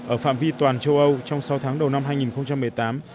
ở phạm vi toàn châu âu trong sáu tháng đầu năm hai nghìn một mươi tám